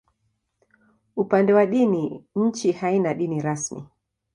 Upande wa dini, nchi haina dini rasmi.